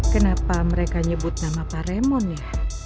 kenapa mereka nyebut nama pak raymond ya